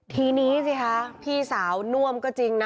ทีนี้สิคะพี่สาวน่วมก็จริงนะ